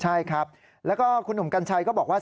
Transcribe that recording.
ใช่ครับแล้วก็คุณหนุ่มกัญชัยก็บอกว่า